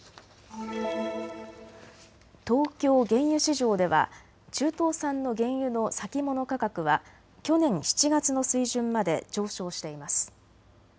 東京原油市場では中東産の原油の先物価格は去年７月の水準まで上昇しています。